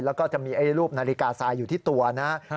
แล้วก็จะมีรูปนาฬิกาทรายอยู่ที่ตัวนะ